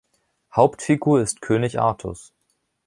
Hauptfigur ist König Artus.